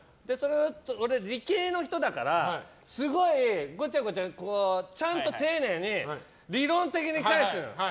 俺、理系の人だからすごいごちゃごちゃちゃんと丁寧に理論的に返すの。